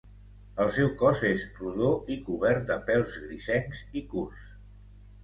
El seu cos és rodó i cobert de pèls grisencs i curts.